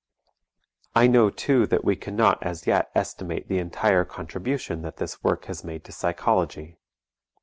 I know too that we cannot as yet estimate the entire contribution that this work has made to psychology.